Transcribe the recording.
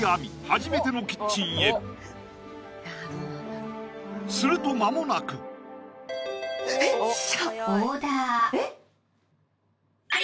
初めてのキッチンへすると間もなくえっ来た！